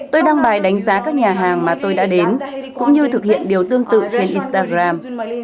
tôi đăng bài đánh giá các nhà hàng mà tôi đã đến cũng như thực hiện điều tương tự trên instagram